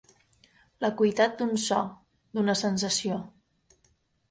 L'acuïtat d'un so, d'una sensació.